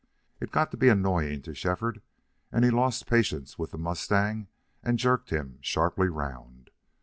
It got to be annoying to Shefford, and he lost patience with the mustang and jerked him sharply round.